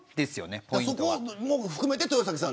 そこも含めて、豊崎さん。